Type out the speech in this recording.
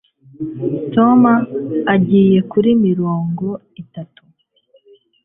Tom agiye kuri mirongo itatu